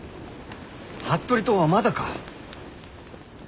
服部党はまだか？